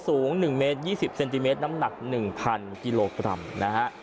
สูงหนึ่งเมตรยี่สิบเซนติเมตรน้ำหนักหนึ่งพันกิโลกรัมนะฮะ